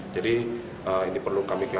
jadi ini perlu kami kelas